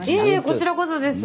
こちらこそです